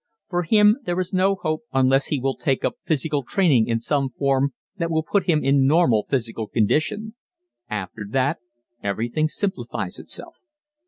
For him there is no hope unless he will take up physical training in some form that will put him in normal physical condition after that everything simplifies itself.